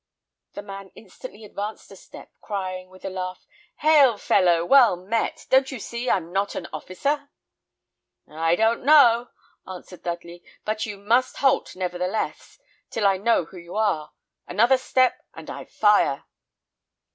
The man instantly advanced a step, crying, with a laugh, "Hail fellow, well met! Don't you see I'm not an officer?" "I don't know," answered Dudley; "but you must halt nevertheless, till I know who you are. Another step, and I fire!"